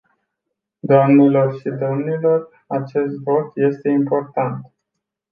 Doamnelor și domnilor, acest vot este important.